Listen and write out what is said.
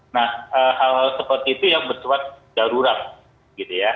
nah hal seperti itu yang bersebut darurat gitu ya